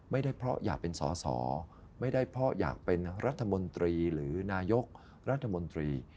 ไม่ได้เพราะอยากเป็นสอสอไม่ได้เพราะอยากเป็นรัฐมนตรีหรือนายกรัฐมนตรี